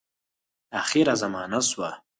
آخره زمانه سوه .